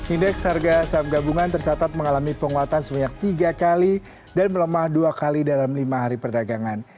indeks harga saham gabungan tercatat mengalami penguatan sebanyak tiga kali dan melemah dua kali dalam lima hari perdagangan